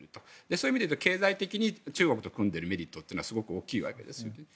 そういう意味で言うと中国と組んでいるメリットはすごく大きいわけですね。